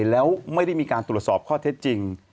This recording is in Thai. แล้วไม่ได้มีการตรวจสอบข้อเท็จจริง